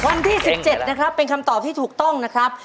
วันที่๑๗นะครับเป็นคำตอบที่ถูกต้องนะครับ